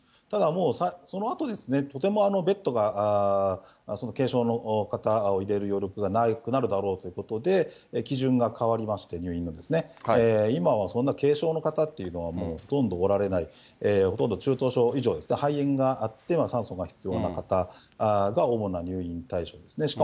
ただもう、そのあとですね、とてもベッドが軽症の方を入れる余力がなくなるだろうということで、基準が変わりまして、入院のですね、今はそんな軽症の方っていうのは、ほとんどおられない、ほとんど中等症以上ですね、肺炎があって、酸素が必要な方が主な入院対象ですね。